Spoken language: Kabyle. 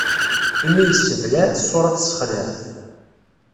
Imi yessebleɛ, ṣṣuṛa tessexlaɛ.